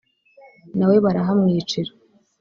na we barahamwicira